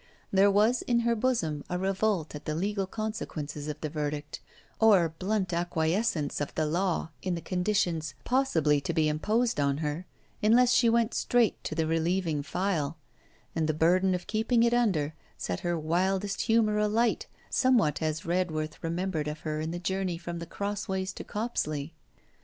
There was in her bosom a revolt at the legal consequences of the verdict or blunt acquiescence of the Law in the conditions possibly to be imposed on her unless she went straight to the relieving phial; and the burden of keeping it under, set her wildest humour alight, somewhat as Redworth remembered of her on the journey from The Crossways to Copsley.